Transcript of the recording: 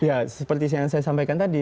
ya seperti yang saya sampaikan tadi